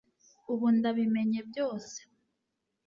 ubu ndabimenye byose